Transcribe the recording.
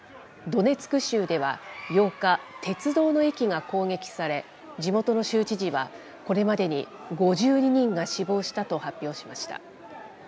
ドネツク州では８日、鉄道の駅が攻撃され、地元の州知事はこれまでに５２人が死亡したと発表しました。